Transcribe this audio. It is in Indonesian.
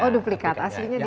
oh duplikat aslinya dimana